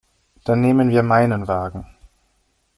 Dann nehmen wir meinen Wagen.